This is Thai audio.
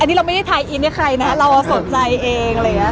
อันนี้เราไม่ได้ไทยอินให้ใครนะเราสนใจเองเลยอะคะ